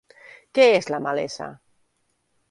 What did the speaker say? Què és la Malesa?